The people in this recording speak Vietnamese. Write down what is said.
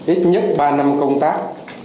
ít nhất ba năm công tác